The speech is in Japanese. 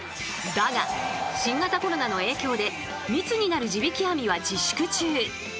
だが新型コロナの影響で密になる地引き網は自粛中。